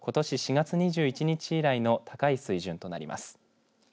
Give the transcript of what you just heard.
４月２１日以来の高い水準となります。